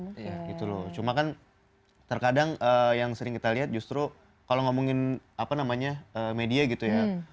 gitu loh cuma kan terkadang yang sering kita lihat justru kalau ngomongin apa namanya media gitu ya